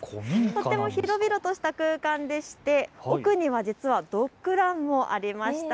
とても広々とした空間でして奥には実はドッグランもありました。